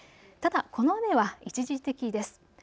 ただこの雨は一時的です。